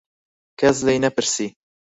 کەس لێی نەپرسی.